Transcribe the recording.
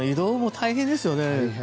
大変ですよね。